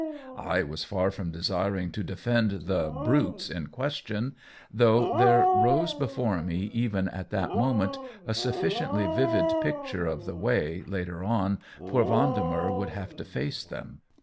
I was far from desir ing to defend the "brutes" in question, though there rose before me even at that moment a sufficiently vivid picture of the way, later on, poor Vendemer would have to face them.